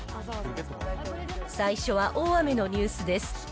最初は大雨のニュースです。